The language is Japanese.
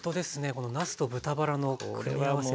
このなすと豚バラの組み合わせだけ。